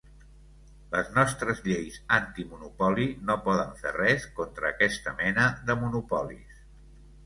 Les nostres lleis antimonopoli no poden fer res contra aquesta mena de monopolis.